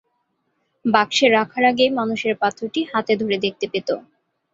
বাক্সে রাখার আগে মানুষেরা পাথরটি হাতে ধরে দেখতে পেত।